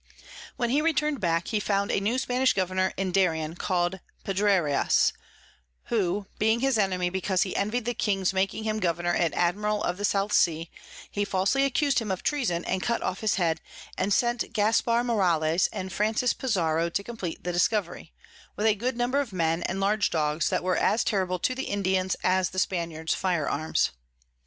When he return'd back, he found a new Spanish Governour in Darien call'd Pedrarias; who being his Enemy because he envy'd the King's making him Governour and Admiral of the South Sea, he falsly accus'd him of Treason and cut off his Head, and sent Gaspar Morales and Francis Pizarro to compleat the Discovery, with a good number of Men, and large Dogs that were as terrible to the Indians as the Spaniards Fire Arms.